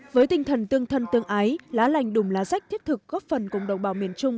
với tinh thần tương thân tương ái lá lành đùm lá rách thiết thực góp phần cùng đồng bào miền trung